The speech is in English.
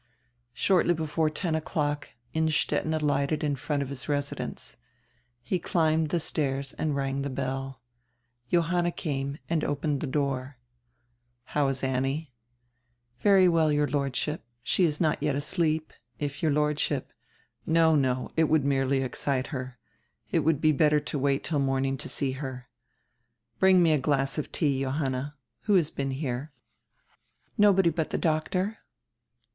Shortly before ten o'clock Innstetten alighted in front of his residence. He climbed the stairs and rang the bell. Johanna came and opened the door. "How is Annie?" "Very well, your Lordship. She is not yet asleep — If your Lordship —" "No, no, it would merely excite her. It would be better to wait till morning to see her. Bring me a glass of tea, Johanna. Who has been here?" "Nobody but the doctor."